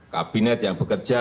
kabinet yang berkembang